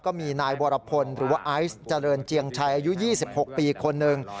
ก็มีนายวรพลหรือว่าไอซ์เจริญเจียงชัยอายุ๒๖ปีคนหนึ่ง